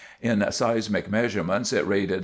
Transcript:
In seismic measurements, it rated 7.